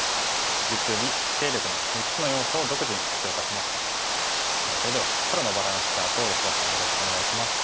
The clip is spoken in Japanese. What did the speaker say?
さて今回もそれでは黒のバランスチャートを安田さんよろしくお願いします。